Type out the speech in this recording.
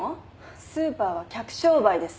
スーパーは客商売です。